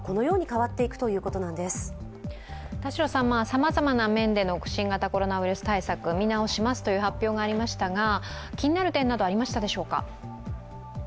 さまざまな面での新型コロナウイルス対策見直しますという発表がありましたが、気になる点などありましたでしょうか？